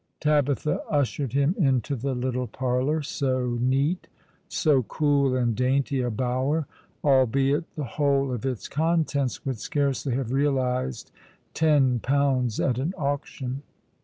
Tabitha ushered him into the little parlour; so neat, so cool and dainty a bower, albeit the whole of its contents would scarcely have realized ten pounds at an auction.